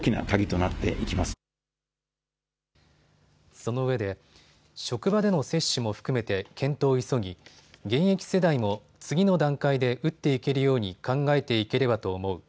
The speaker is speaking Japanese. そのうえで職場での接種も含めて検討を急ぎ現役世代も次の段階で打っていけるように考えていければと思う。